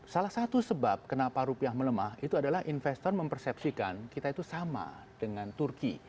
salah satu sebab kenapa rupiah melemah itu adalah investor mempersepsikan kita itu sama dengan turki